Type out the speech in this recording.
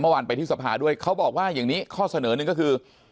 เมื่อวานไปที่สภาด้วยเขาบอกว่าอย่างนี้ข้อเสนอหนึ่งก็คือ